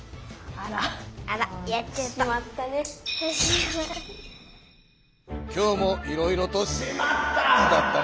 あら今日もいろいろと「しまった！」